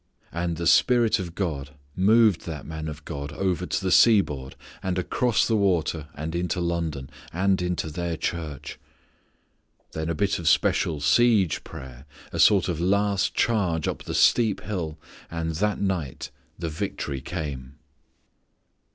And the Spirit of God moved that man of God over to the seaboard, and across the water and into London, and into their church. Then a bit of special siege prayer, a sort of last charge up the steep hill, and that night the victory came.